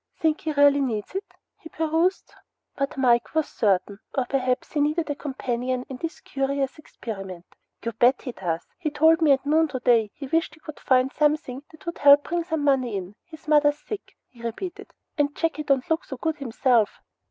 "Think he really needs it?" he pursued. But Mike was certain, or perhaps he needed a companion in this curious experiment. "You bet he does! He tol' me at noon today he wished he could find something that would help bring some money in. His mother's sick," he repeated, "an' Jakey don' look so good himself."